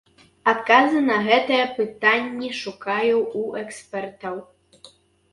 Адказы на гэтыя пытанні шукаю ў экспертаў.